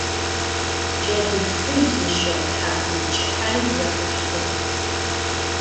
Cedıgu fıj zışığ thak'umç'ıheri blexhuşsutığ.